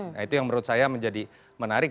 nah itu yang menurut saya menjadi menarik